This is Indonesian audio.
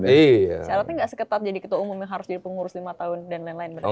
syaratnya nggak seketat jadi ketua umum yang harus jadi pengurus lima tahun dan lain lain berarti